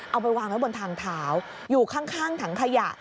เอาไปวางไว้บนทางเท้าอยู่ข้างถังขยะ